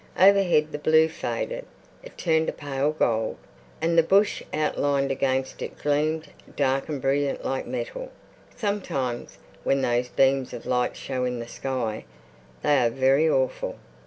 Overhead the blue faded; it turned a pale gold, and the bush outlined against it gleamed dark and brilliant like metal. Sometimes when those beams of light show in the sky they are very awful.